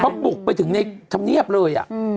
เขาปลูกไปถึงในทำเนียบเลย